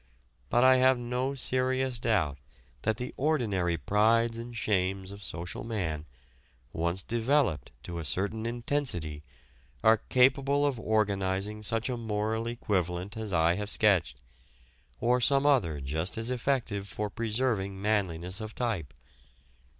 But I have no serious doubt that the ordinary prides and shames of social man, once developed to a certain intensity, are capable of organizing such a moral equivalent as I have sketched, or some other just as effective for preserving manliness of type.